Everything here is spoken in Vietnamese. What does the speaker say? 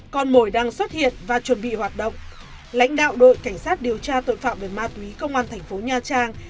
con mồi đang xuất hiện và chuẩn bị hoạt động lãnh đạo đội cảnh sát điều tra tội phạm về ma túy công an thành phố nha trang